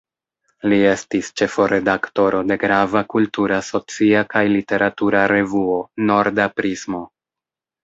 Li estis ĉefo-redaktoro de grava kultura, socia kaj literatura revuo "Norda Prismo".